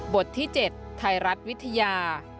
บทที่๗ไทยรัฐวิทยา